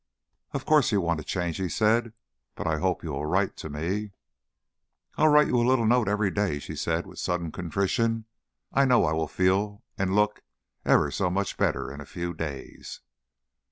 "Of course you want a change," he said, "but I hope you will write to me." "I'll write you a little note every day," she said with sudden contrition. "I know I'll feel and look ever so much better in a few days."